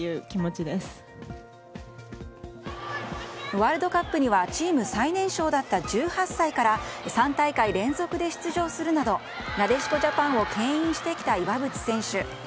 ワールドカップにはチーム最年少だった１８歳から３大会連続で出場するなどなでしこジャパンを牽引してきた岩渕選手。